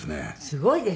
すごいですね。